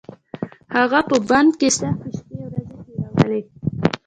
هغه په بند کې سختې شپې ورځې تېرولې.